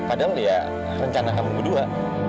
kadang ya rencana kamu berdua